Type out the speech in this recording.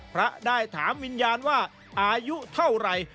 พระได้ถามวิญญาณว่าอายุเท่าไหร่